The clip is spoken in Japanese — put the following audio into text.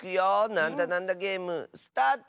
「なんだなんだゲーム」スタート！